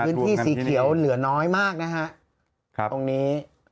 พื้นที่สีเขียวเหลือน้อยมากนะฮะครับตรงนี้